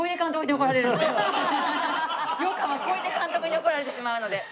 羊羹は小出監督に怒られてしまうので。